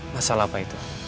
masalah apa itu